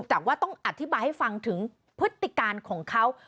แต่ว่าต้องอธิบายให้ฟังถึงพฤติการของเขา